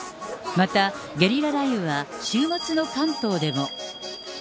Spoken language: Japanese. また、ゲリラ雷雨は週末の関東でも。